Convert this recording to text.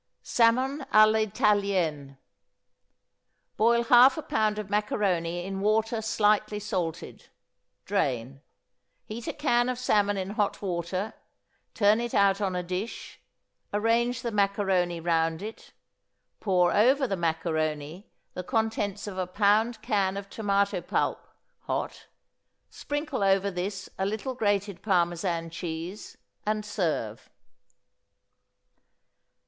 =Salmon à l'Italienne.= Boil half a pound of macaroni in water slightly salted; drain. Heat a can of salmon in hot water; turn it out on a dish; arrange the macaroni round it; pour over the macaroni the contents of a pound can of tomato pulp (hot), sprinkle over this a little grated Parmesan cheese, and serve.